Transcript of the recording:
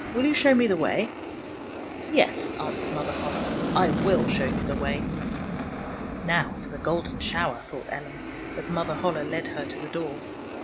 Will you show me the way? "" Yes," answered Mother Holle, " I will show you the way." "Now for the golden shower," thought Ellen, as Mother Holle led her to the door.